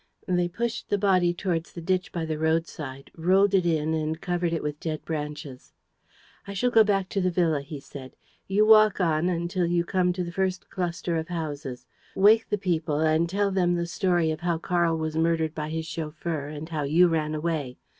They pushed the body towards the ditch by the road side, rolled it in and covered it with dead branches. "I shall go back to the villa," he said. "You walk on until you come to the first cluster of houses. Wake the people and tell them the story of how Karl was murdered by his chauffeur and how you ran away.